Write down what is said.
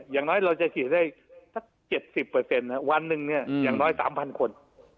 อย่างน้อยเราจะฉีดได้สัก๗๐วันหนึ่งอย่างน้อย๓๐๐คน